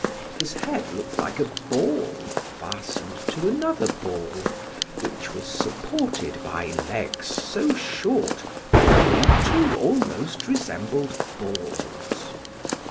His head looked like a ball fastened to another ball, which was supported by legs so short that they too almost resembled balls.